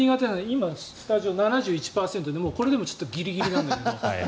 今、スタジオ７１％でこれでもギリギリなんだけど。